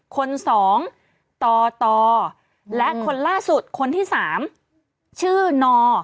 คน๒ต่อและคนล่าสุดคนที่๓ชื่อนอ